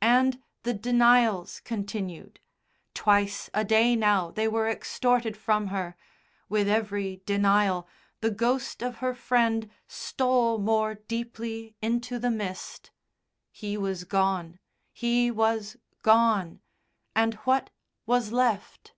And the denials continued; twice a day now they were extorted from her with every denial the ghost of her Friend stole more deeply into the mist. He was gone; he was gone; and what was left?